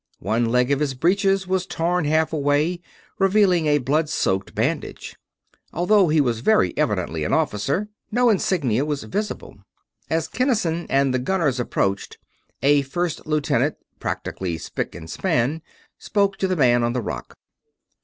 One leg of his breeches was torn half away, revealing a blood soaked bandage. Although he was very evidently an officer, no insignia were visible. As Kinnison and the gunners approached, a first lieutenant practically spic and span spoke to the man on the rock.